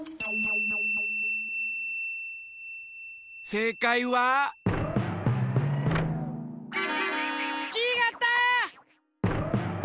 せいかいは？ちがった！